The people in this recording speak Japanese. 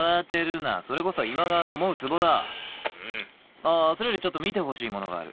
あそれよりちょっと見てほしいものがある。